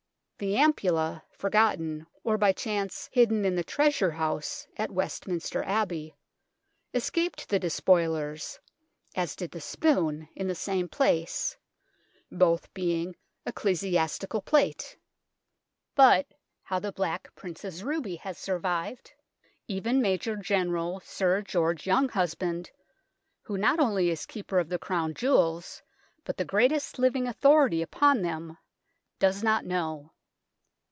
The Ampulla, forgotten or by chance hidden in the Treasure House at Westminster Abbey, escaped the despoilers, as did the Spoon, in the same place, both being ecclesiastical plate. But how the Black Prince's ruby has survived even Major General Sir George Younghusband, who not only is Keeper of the Crown Jewels, but the greatest living authority upon them, does not know.